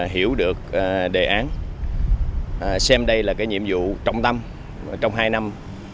hiểu được đề án xem đây là cái nhiệm vụ trọng tâm trong hai năm một mươi chín hai mươi